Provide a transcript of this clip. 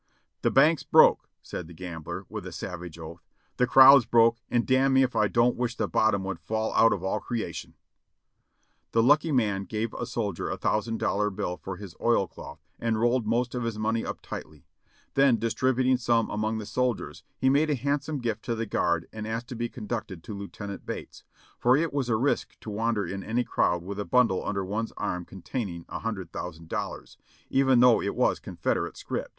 "The bank's broke !" said the gambler, with a savage oath. "The crowd's broke, and damn me if I don't wish the bottom would fall out of all creation !" The lucky man gave a soldier a thousand dollar bill for his oilcloth and rolled most of his money up tightly; then, distrib uting some among the soldiers, he made a handsome gift to the guard and asked to be conducted to Lieutenant Bates, for it was a risk to wander in any crowd with a bundle under one's arm containing a hundred thousand dollars, even though it was Con federate scrip.